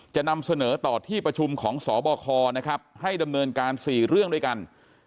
จะนำเสนอต่อที่ประชุมของสบคนะครับให้ดำเนินการ๔เรื่องด้วยกัน